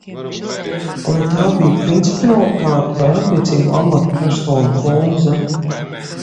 Vai tā bija principialitāte vai attiecīgo amatpersonu poza?